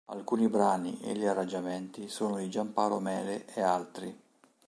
Alcuni brani e gli arrangiamenti sono di Gian Paolo Mele e altri.